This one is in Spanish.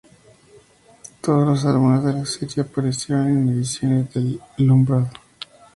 Todos los álbumes de la serie aparecieron en las ediciones del Lombard.